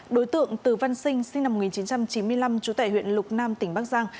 đối tượng từ văn sinh sinh năm một nghìn chín trăm chín mươi năm trú tại huyện lục nam tỉnh bắc giang